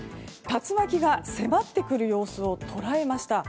竜巻が迫ってくる様子を捉えました。